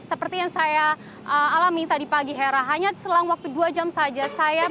seperti yang saya alami tadi pagi hera hanya selang waktu dua jam saja saya melihat ada dua kecelakaan sepeda motor